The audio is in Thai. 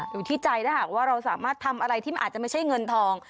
อยู่ที่ใจถ้าหากว่าเราสามารถทำอะไรที่มันอาจจะไม่ใช่เงินทอง